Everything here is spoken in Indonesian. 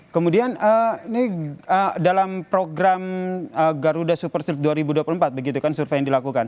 kemudian ini dalam program garuda super series dua ribu dua puluh empat begitu kan survei yang dilakukan